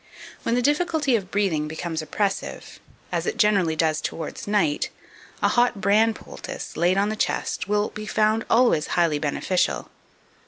2556. When the difficulty of breathing becomes oppressive, as it generally does towards night, a hot bran poultice, laid on the chest, will be always found highly beneficial.